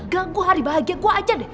gak gue hari bahagia gue aja deh